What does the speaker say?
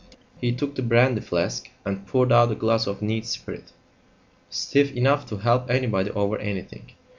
He took the brandy flask and poured out a glass of neat spirit, stiff enough to help anybody over anything.